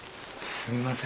すいません。